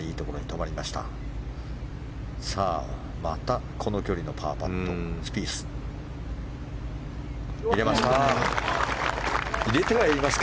またこの距離のパーパットスピース、入れました！